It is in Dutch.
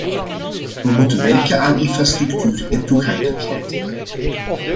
We moeten werken aan infrastructuur en toegankelijkheid.